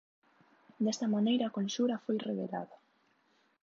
Desta maneira a conxura foi revelada.